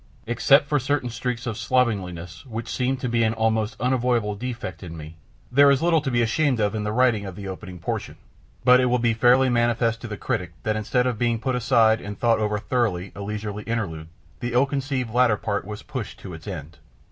Except for certain streaks of a slovenliness which seems to be an almost unavoidable defect in me, there is little to be ashamed of in the writing of the opening portion; but it will be fairly manifest to the critic that instead of being put aside and thought over through a leisurely interlude, the ill conceived latter part was pushed to its end.